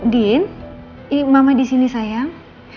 din ini mama disini sayang